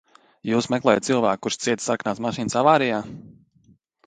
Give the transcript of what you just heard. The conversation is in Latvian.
Jūs meklējat cilvēku, kurš cieta sarkanās mašīnas avārijā?